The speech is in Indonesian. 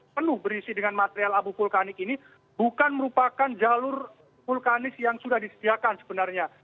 penuh berisi dengan material abu vulkanik ini bukan merupakan jalur vulkanis yang sudah disediakan sebenarnya